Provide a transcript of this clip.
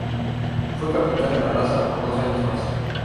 Fue capitán de La Raza por dos años más.